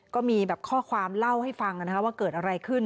ก็มีแบบข้อความเล่าให้ฟังว่าเกิดอะไรขึ้น